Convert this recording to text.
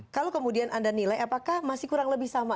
kalau kemudian anda nilai apakah masih kurang lebih sama